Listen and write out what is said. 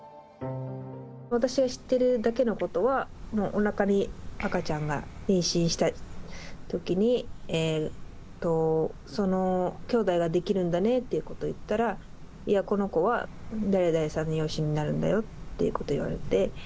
私が知ってるだけのことは、おなかに赤ちゃんが妊娠したときに、そのきょうだいができるんだねということを言ったら、いや、この子は誰々さんの養子になるんだよっていうことを言われて。